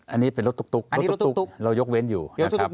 อันนี้เป็นรถตุ๊กเรายกเว้นอยู่